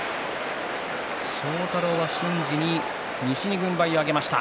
庄太郎は瞬時に西に軍配を上げました。